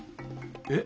えっ？